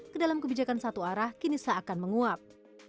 ke dalam kebijakan satu arah kini seakan menguap